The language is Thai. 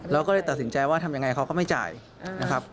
เราก็เลยตัดสินใจว่าทำยังไงเขาก็ไม่จ่ายนะครับ